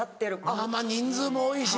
まぁまぁ人数も多いしな。